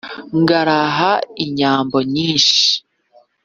ngaraha inyambo nyinshi :